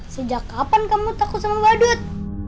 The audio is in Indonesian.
sejak kapan kamu takut sama badut